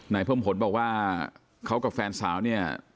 เพิ่มผลบอกว่าเขากับแฟนสาวเนี่ย